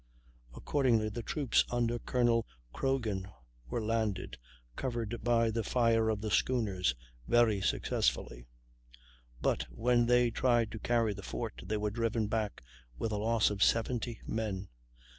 Accordingly, the troops under Col. Croghan were landed, covered by the fire of the schooners, very successfully; but when they tried to carry the fort they were driven back with the loss of 70 men.